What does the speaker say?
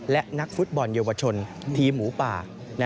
และนักฟุตบอลเยาวชนทีมหมูป่า